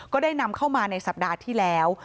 ได้นำเข้ามาในสัปดาห์ที่แล้ว